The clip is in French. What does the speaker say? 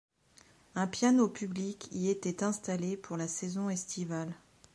Un piano public y était installé pour la saison estivale.